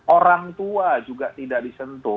orang tua juga tidak disentuh